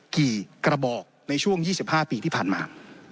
กระบอกในช่วง๒๕ปีที่ผ่านมา